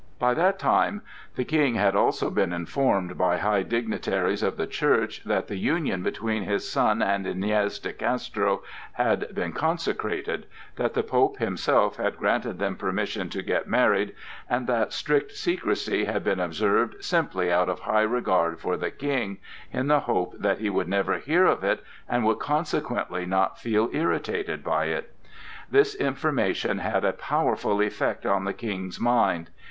By that time the King had also been informed by high dignitaries of the Church that the union between his son and Iñez de Castro had been consecrated, that the Pope himself had granted them permission to get married, and that strict secrecy had been observed simply out of high regard for the King, in the hope that he would never hear of it and would consequently not feel irritated by it. This information had a powerful effect on the King's mind.